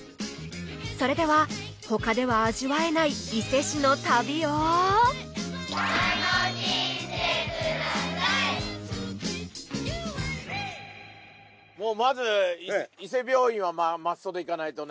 それでは他では味わえない伊勢市の旅をもうまず「伊勢病院」はマストで行かないとね。